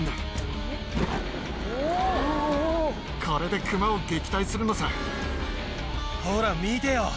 これでクマを撃退するのさ。